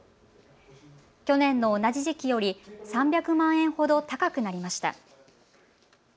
去年の同じ時期より３００万円ほど高くなりました。